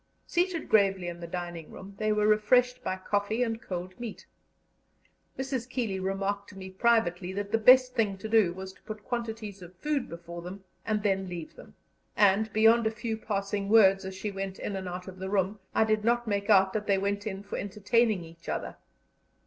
Seated gravely in the dining room, they were refreshed by coffee and cold meat. Mrs. Keeley remarked to me privately that the best thing to do was to put quantities of food before them and then leave them; and, beyond a few passing words as she went in and out of the room, I did not make out that they went in for entertaining each other.